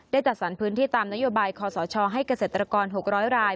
จัดสรรพื้นที่ตามนโยบายคอสชให้เกษตรกร๖๐๐ราย